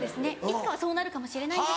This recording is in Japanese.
いつかはそうなるかもしれない。